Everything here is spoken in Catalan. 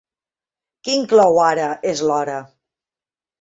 Qui inclou Ara és l'hora?